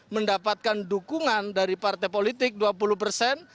mendapatkan dukungan dari partai politik dua puluh persen